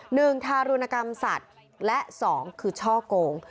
ทารุณกรรมสัตว์และสองคือช่อกง